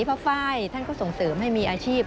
ไฟล์ท่านก็ส่งเสริมให้มีอาชีพ